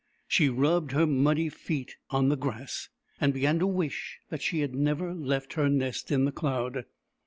She rubbed her muddy feet on the grass, and began to wish that she had never left her nest in the cloud.